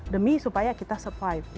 demi supaya kita survive